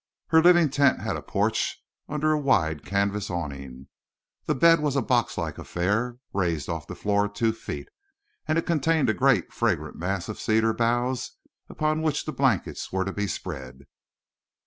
Her living tent had a porch under a wide canvas awning. The bed was a boxlike affair, raised off the floor two feet, and it contained a great, fragrant mass of cedar boughs upon which the blankets were to be spread.